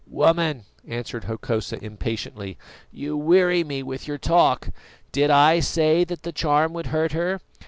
"Woman," answered Hokosa impatiently, "you weary me with your talk. Did I say that the charm would hurt her?